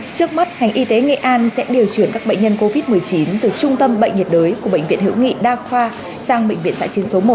trước mắt ngành y tế nghệ an sẽ điều chuyển các bệnh nhân covid một mươi chín từ trung tâm bệnh nhiệt đới của bệnh viện hữu nghị đa khoa sang bệnh viện giã chiến số một